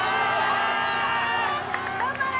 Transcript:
頑張れ。